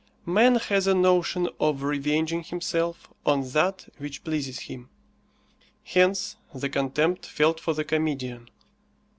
Man has a notion of revenging himself on that which pleases him. Hence the contempt felt for the comedian.